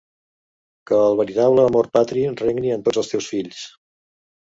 Que el veritable amor patri regni en tots els teus fills.